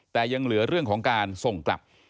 แต่ยังเหลือเรื่องของการส่งกลับ